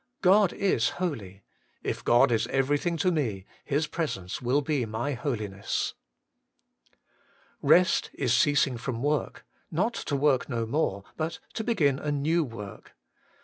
God it holy : if God is everything to me, His presence will be my holiness. 2. Rest is ceasing from worh, not to work no more, but to begin a new work.